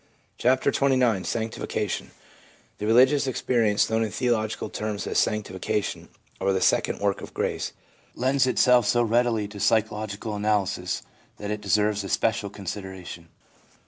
CHAPTER XXIX SANCTIFICATION The religious experience known in theological terms as ' sanctification/ or the ' second work of grace/ lends itself so readily to psychological analysis that it deserves especial consideration.